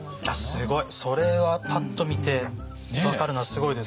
すごい。それはパッと見て分かるのはすごいです。